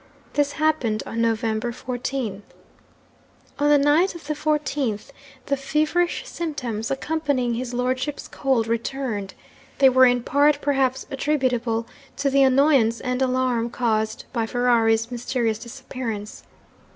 This happened on November 14. 'On the night of the 14th, the feverish symptoms accompanying his lordship's cold returned. They were in part perhaps attributable to the annoyance and alarm caused by Ferrari's mysterious disappearance.